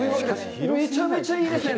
めちゃめちゃいいですね。